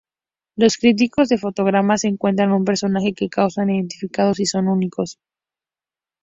Los críticos de Fotogramas encuentran un personajes que causan identificación y son únicos.